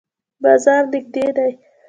بازار نږدې دی؟